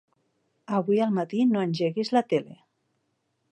Avui al matí no engeguis la tele.